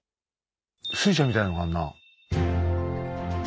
水車みたいなのがあるなあ。